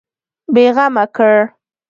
بېغمه کړ.